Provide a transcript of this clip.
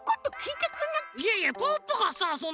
いやいやポッポがさその。